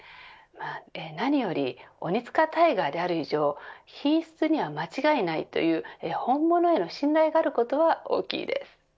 何よりオニツカタイガーである以上品質には間違いないという本物への信頼があることは大きいです。